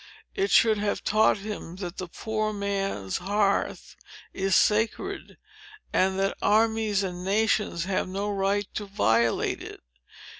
It should have taught him that the poor man's hearth is sacred, and that armies and nations have no right to violate it.